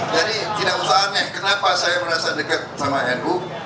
jadi tidak usah aneh kenapa saya merasa dekat sama nu